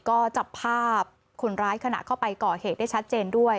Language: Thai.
ก็จับภาพคนร้ายขณะเข้าไปก่อเหตุได้ชัดเจนด้วย